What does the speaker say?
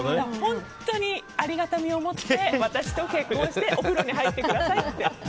ありがたみを持って私と結婚してお風呂に入ってくださいって。